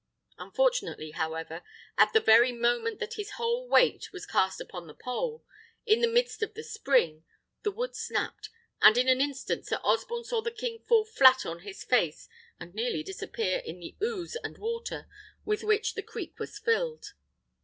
Unfortunately, however, at the very moment that his whole weight was cast upon the pole, in the midst of the spring, the wood snapped, and in an instant Sir Osborne saw the king fall flat on his face, and nearly disappear in the ooze and water with which the creek was filled.